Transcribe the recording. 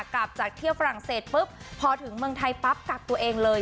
กลับจากเที่ยวฝรั่งเศสปุ๊บพอถึงเมืองไทยปั๊บกักตัวเองเลย